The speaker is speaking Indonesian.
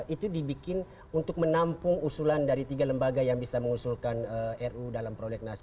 itu dibikin untuk menampung usulan dari tiga lembaga yang bisa mengusulkan ruu dalam prolegnas